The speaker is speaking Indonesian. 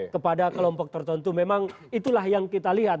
kepada kelompok tertentu memang itulah yang kita lihat